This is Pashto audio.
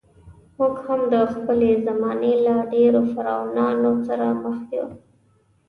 موږ هم د خپلې زمانې له ډېرو فرعونانو سره مخ یو.